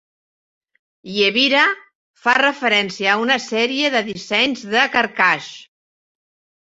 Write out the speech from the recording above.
Yebira fa referència a una sèrie de dissenys de carcaix.